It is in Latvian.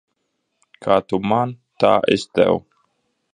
Kā tu man, tā es tev.